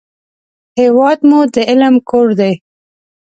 هېواد مو د علم کور دی